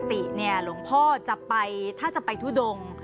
ปกติเนี่ยหลวงพ่อจะไปถ้าจะไปทุดง